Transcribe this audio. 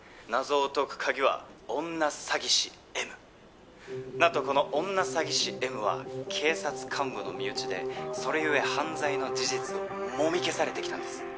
謎を解くカギは女詐欺師Ｍ何とこの女詐欺師Ｍは警察幹部の身内でそれゆえ犯罪の事実をもみ消されてきたんです